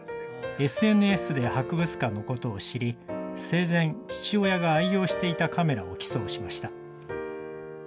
ＳＮＳで博物館のことを知り、生前、父親が愛用していたカメラを寄贈しました。